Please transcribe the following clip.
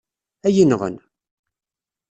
Ad iyi-nɣen!